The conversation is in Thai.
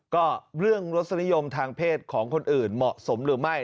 ก็เรื่องรสนิยมทางเพศของคนอื่นเหมาะสมหรือไม่